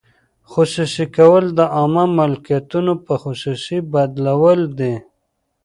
خصوصي کول د عامه ملکیتونو په خصوصي بدلول دي.